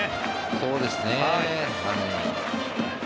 そうですね。